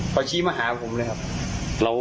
เขาชี้มาหาผมเลยครับ